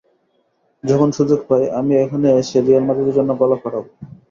যখন সুযোগ পাই আমি এখানে এসে রিয়াল মাদ্রিদের জন্য গলা ফাটাব।